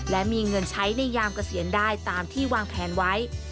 และมีเงินใช้ในยามเกษียณได้ตามที่วางแผนไว้